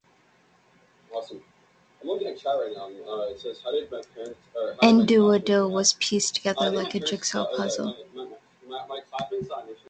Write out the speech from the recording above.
"Innuendo" was pieced together "like a jigsaw puzzle".